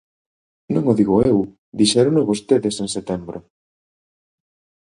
Non o digo eu, dixérono vostedes en setembro.